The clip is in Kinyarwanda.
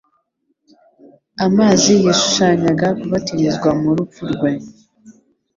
Amazi yashushanyaga kubatirizwa mu rupfu rwe